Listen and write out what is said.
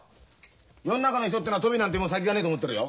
世の中の人ってのはトビなんてもう先がねえと思ってるよ。